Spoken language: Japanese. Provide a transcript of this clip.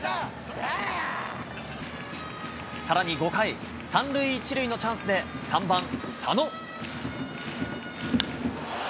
さらに５回、３塁１塁のチャンスで３番佐野。